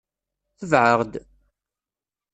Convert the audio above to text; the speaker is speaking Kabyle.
Tbeɛ-aɣ-d!